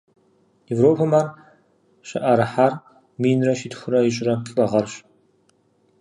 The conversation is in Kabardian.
Европэм ар щыӏэрыхьар минрэ щитхурэ ищӏрэ плӏы гъэрщ.